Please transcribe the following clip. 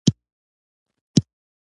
ماريا ماشوم ته په حيرانۍ کتل.